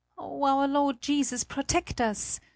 "Oh, our Lord Jesus protect us!"